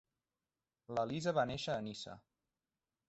La Lisa va néixer a Niça.